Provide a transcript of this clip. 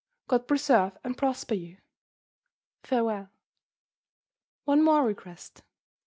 God preserve and prosper you farewell! "One more request.